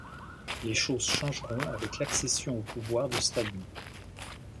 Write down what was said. Les choses changeront avec l'accession au pouvoir de Staline.